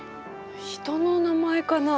人の名前かな？